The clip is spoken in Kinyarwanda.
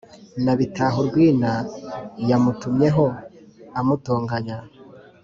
Na Bitahurwina yamutumyeho amutonganya